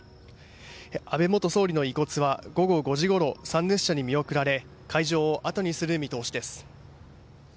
安倍元総理の遺骨は午後５時ごろ参列者に見送られ会場をあとにする見通しです。